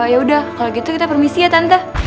yaudah kalau gitu kita permisi ya tante